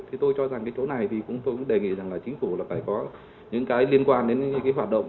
thì tôi cho rằng cái chỗ này thì cũng đề nghị là chính phủ phải có những cái liên quan đến cái hoạt động